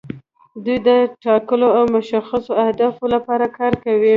دوی د ټاکلو او مشخصو اهدافو لپاره کار کوي.